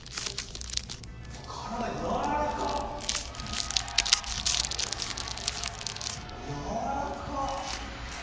わっ体やわらかっ！やわらかっ！